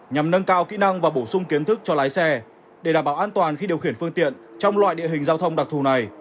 nhằm nâng cao kỹ năng và bổ sung kiến thức cho lái xe để đảm bảo an toàn khi điều khiển phương tiện trong loại địa hình giao thông đặc thù này